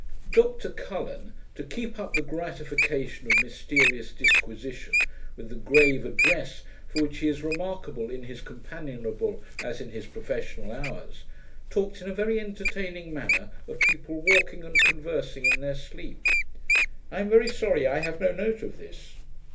Dr Cullen, to keep up the gratification of mysterious disquisition, with the grave address for which he is remarkable in his companionable as in his professional hours, talked, in a very entertaining manner, of people walking and conversing in their sleep. I am very sorry I have no note of this.